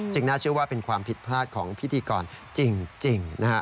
น่าเชื่อว่าเป็นความผิดพลาดของพิธีกรจริง